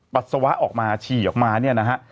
ปัสสาวะออกมาฉี่ออกมาเนี่ยนะฮะ